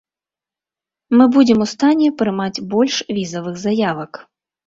Мы будзем у стане прымаць больш візавых заявак.